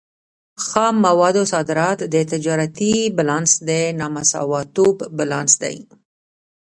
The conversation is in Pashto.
خام موادو صادرات د تجارتي بیلانس د نامساواتوب لامل دی.